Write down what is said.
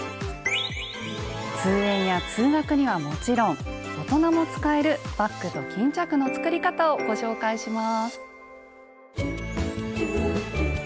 通園や通学にはもちろん大人も使えるバッグと巾着の作り方をご紹介します。